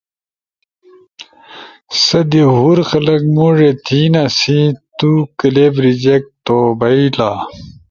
سہ دی ہور خلق موڙے تھینا سنی تو کلپ ریجیکٹ تو بئیلا۔